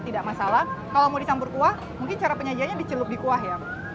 jangan salah kalau mau disambur kuah mungkin cara penyajiannya dicelup di kuah ya